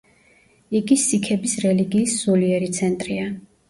იგი სიქების რელიგიის სულიერი ცენტრია.